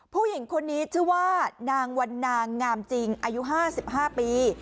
ผู้หญิงคนนี้ชื่อว่านางวันนางงามจริงอายุ๕๕ปี